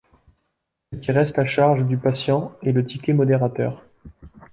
Ce qui reste à charge du patient est le ticket modérateur.